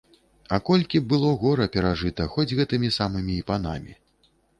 А колькі было гора перажыта хоць гэтымі самымі і панамі.